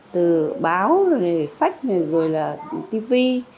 từ báo sách rồi là tivi